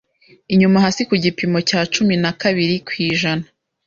inyuma hasi ku gipimo cya cumi na kabiri kw'ijana